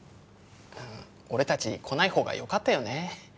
俺達来ないほうがよかったよね